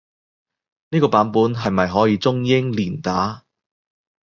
呢個版本係咪可以中英連打？